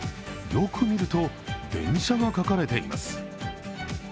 よく見ると、電車が描かれています